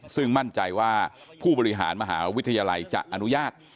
ซึ่งมั่นใจว่าผู้บริหารมหาวิทยาลัยจะอนุญาต